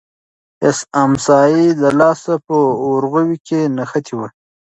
امسا یې د لاس په ورغوي کې نښتې وه.